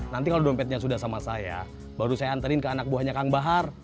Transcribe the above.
nanti kalau dompetnya sudah sama saya baru saya anterin ke anak buahnya kang bahar